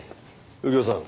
右京さん